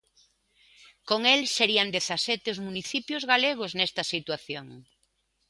Con el, serían dezasete os municipios galegos nesta situación.